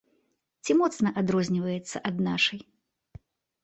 Ці моцна адрозніваецца ад нашай?